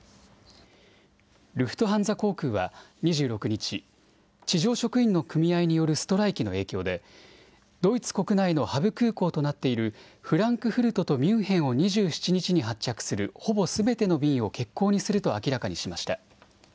ルフトハンザ航空は２６日、地上職員の組合によるストライキの影響でドイツ国内のハブ空港となっているフランクフルトとミュンヘンを２７日に発着するほぼすべての便を欠航にすると明らかにしました。